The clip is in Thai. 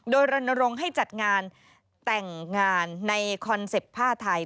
โดยรณรงค์ให้จัดงานแต่งงานในคอนเซ็ปต์ผ้าไทย